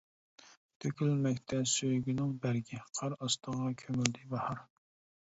تۆكۈلمەكتە سۆيگۈنىڭ بەرگى، قار ئاستىغا كۆمۈلدى باھار.